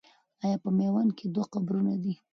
آیا په میوند کې دوه قبرونه دي؟